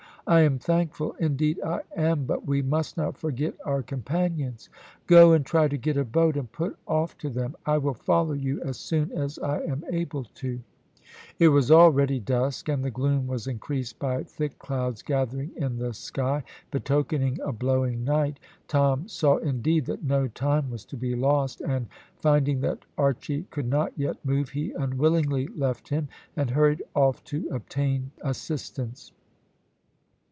"I am thankful indeed I am; but we must not forget our companions." "Go, and try to get a boat, and put off to them; I will follow you as soon as I am able to." It was already getting dusk, and the gloom was increased by thick clouds gathering in the sky, betokening a blowing night. Tom saw, indeed, that no time was to be lost, and, finding that Archy could not yet move, he unwillingly left him, and hurried off to obtain assistance.